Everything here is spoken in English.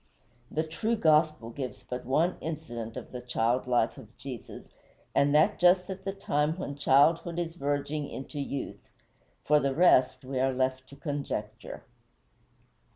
The true gospel gives but one incident of the child life of Jesus, and that just at the time when childhood is verging into youth; for the rest, we are left to conjecture.